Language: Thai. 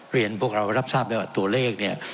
เรียนพวกเรารับทราบแล้วว่าตัวเลขเนี่ย